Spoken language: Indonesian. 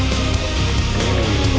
tiga dua satu